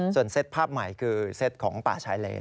ส่วนเซตภาพใหม่คือเซตของป่าชายเลน